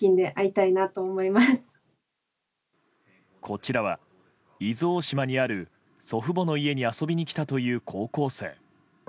こちらは伊豆大島にある祖父母の家に遊びに来たという高校生。